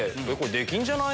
できんじゃない？